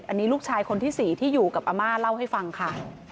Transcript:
อันนี้ลูกชายคนที่๔ที่อยู่กับอาม่าเล่าให้ฟังค่ะ